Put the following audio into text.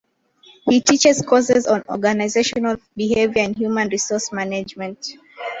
He teaches courses on organisational behaviour and human resource management.